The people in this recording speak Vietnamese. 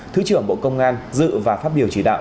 thứ trưởng bộ công an dự và phát biểu chỉ đạo